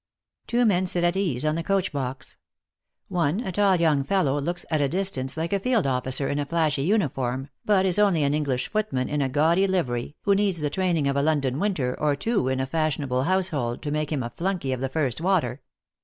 Two men sit at ease on the coach box. One, a tall young fellow, looks at a distance like a field officer in a flashy uni form, but is only a"n English footman in a gaudy livery, who needs the training of a London winter or two, in a fashionable household, to make him a flunky of the first water.